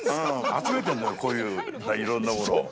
集めてるのよ、こういういろんなものを。